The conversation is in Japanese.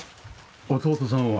弟さんは？